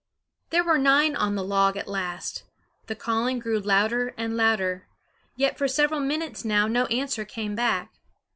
There were nine on the log at last. The calling grew louder and louder; yet for several minutes now no answer came back.